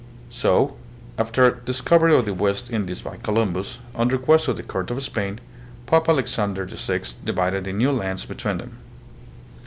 So, after the discovery of the West Indies by Columbus, on request of the Court of Spain, Pope Alexander VI. divided the new lands between them.